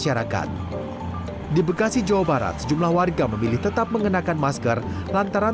ya enak enak saja sih bagi yang penting mah nggak apa apa pakai masker terus